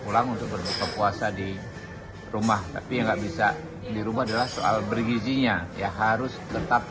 pulang untuk berbuka puasa di rumah tapi nggak bisa dirubah adalah soal bergizinya ya harus tetap